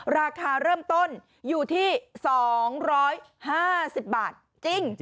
ราคาเริ่มต้นอยู่ที่๒๕๐บาทจริง